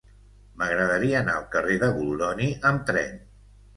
M'agradaria anar al carrer de Goldoni amb tren.